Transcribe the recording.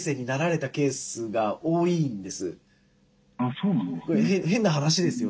そうなんですか？